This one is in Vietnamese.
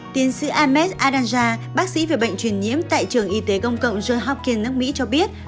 tiến sĩ ahmed adanja bác sĩ về bệnh truyền nhiễm tại trường y tế công cộng johns hopkins nước mỹ cho biết